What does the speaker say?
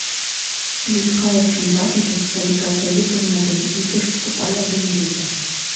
Вӱдкаевшын ватыже — Салика Саликовна ден ӱдырышт — Валя ден Лиза.